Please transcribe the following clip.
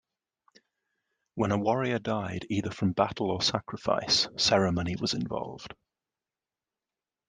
When a warrior died either from battle or sacrifice, ceremony was involved.